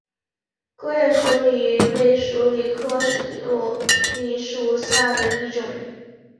革叶鼠李为鼠李科鼠李属下的一个种。